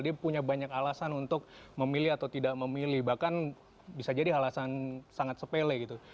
dia punya banyak alasan untuk memilih atau tidak memilih bahkan bisa jadi alasan sangat sepele gitu